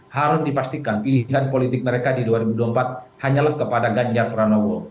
harus dipastikan pilihan politik mereka di dua ribu dua puluh empat hanyalah kepada ganjar pranowo